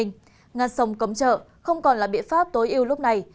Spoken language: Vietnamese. ngàn sông cấm trợ không còn là biện pháp tối ưu lúc này